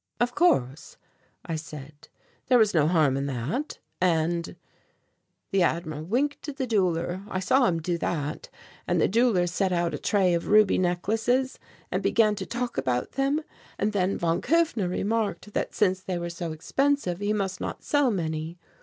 "Of course," I said, "there was no harm in that. And " "The Admiral winked at the Jeweller. I saw him do that; and the jeweller set out a tray of ruby necklaces and began to talk about them, and then von Kufner remarked that since they were so expensive he must not sell many.